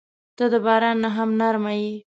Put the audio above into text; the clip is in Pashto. • ته د باران نه هم نرمه یې.